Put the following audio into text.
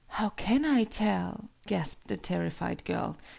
"How can I tell?" gasped the terrified girl.